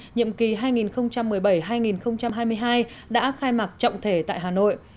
nhiệm kỳ hai nghìn một mươi bảy hai nghìn hai mươi hai đã khai mạc trọng thể tại hà nội